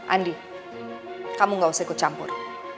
andi kamu gak usah ikut campur